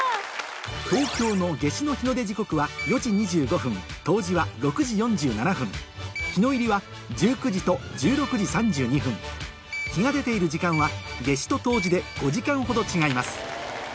東京の夏至の日の出時刻は４時２５分冬至は６時４７分日の入りは１９時と１６時３２分日が出ている時間は夏至と冬至で５時間ほど違います